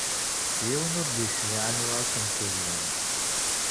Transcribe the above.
Yiwen ur yecliɛ anwa i kent-ilan.